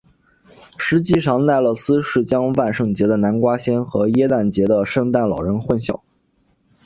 实际上奈勒斯是将万圣节的南瓜仙和耶诞节的圣诞老人混淆了。